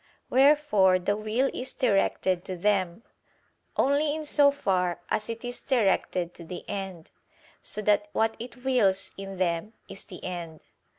Wherefore the will is directed to them, only in so far as it is directed to the end: so that what it wills in them, is the end.